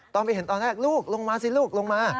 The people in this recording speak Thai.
ตอนไปเห็นตอนแรกลูกลงมาสิลูกลงมา